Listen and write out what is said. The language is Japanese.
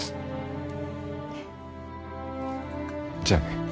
じゃあね。